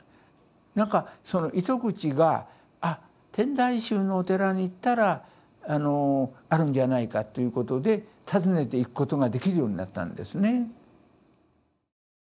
何かその糸口が天台宗のお寺に行ったらあるんじゃないかということで訪ねていくことができるようになったんですね。